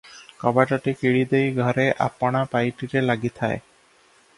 କବାଟଟି କିଳିଦେଇ ଘରେ ଆପଣା ପାଇଟିରେ ଲାଗିଥାଏ ।